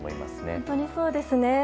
本当にそうですね。